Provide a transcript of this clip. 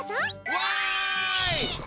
わい！